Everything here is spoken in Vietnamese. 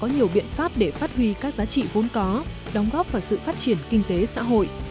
nhiều biện pháp để phát huy các giá trị vốn có đóng góp vào sự phát triển kinh tế xã hội